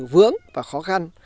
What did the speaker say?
vướng và khó khăn